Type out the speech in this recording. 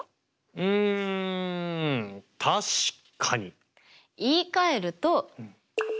うん確かに。